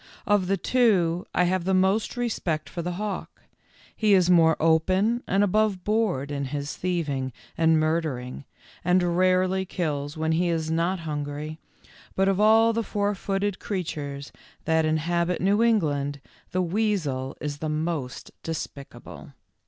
Of the two, I have the most respect for the hawk. He is more open and above board in his thieving and murdering, and rarely kills when he is not hungry, but of all the four footed creatures that inhabit New England, the weasel is the most despicable.